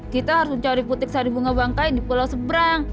kita harus mencari putik sari bunga bangkai di pulau seberang